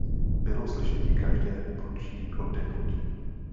Bylo slyšeti každé prudší oddechnutí.